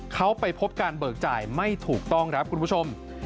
เขาไปพบการเบิกจ่ายไม่ถูกต้องครับคุณผู้ชม